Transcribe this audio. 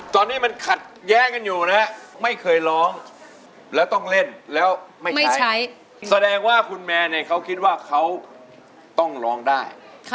ตกลงว่าใช้